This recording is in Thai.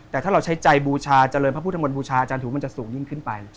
แต่ถ้าเราใช้ใจบูชาเจริญพระพุทธมนต์บูชาอาจารย์หูมันจะสูงยิ่งขึ้นไป